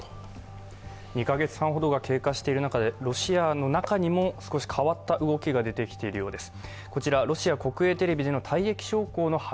２カ月半ほどが経過している中でロシアの中にも少し変わった動きが出てきているようです。